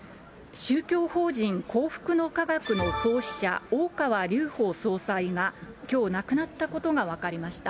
宗教法人幸福の科学の創始者、大川隆法総裁が、きょう亡くなったことが分かりました。